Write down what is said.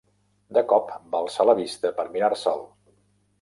De cop, va alçar la vista per mirar-se'l.